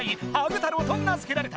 太郎と名づけられた。